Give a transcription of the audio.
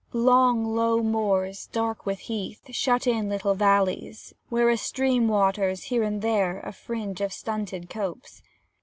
Long low moors, dark with heath, shut in little valleys, where a stream waters, here and there, a fringe of stunted copse.